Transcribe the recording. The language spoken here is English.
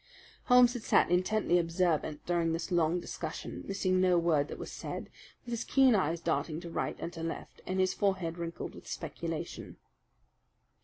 Holmes had sat intently observant during this long discussion, missing no word that was said, with his keen eyes darting to right and to left, and his forehead wrinkled with speculation.